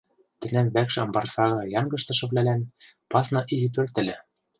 Тӹнӓм вӓкш амбар сага янгыштышывлӓлӓн пасна изи пӧрт ыльы